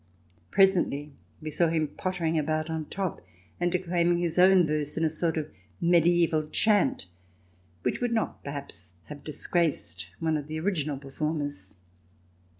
Presently we saw him pottering about on top and declaiming his own verse in a sort of medieval chant which would not, per haps, have disgraced one of the original performers.